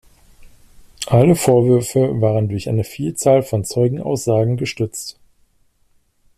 Alle Vorwürfe waren durch eine Vielzahl von Zeugenaussagen gestützt.